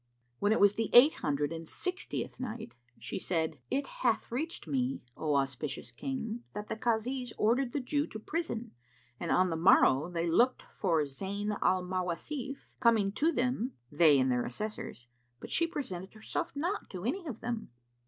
When it was the Eight Hundred and Sixtieth Night, She said, It hath reached me, O auspicious King, that the Kazis ordered the Jew to prison and on the morrow they looked for Zayn al Mawasif coming to them, they and their assessors; but she presented herself not to any of them.